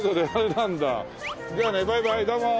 じゃあねバイバイどうも。